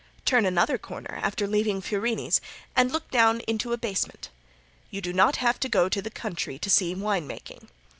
Turn another corner after leaving Fiorini's and look down into a basement. You do not have to go to the country to see wine making.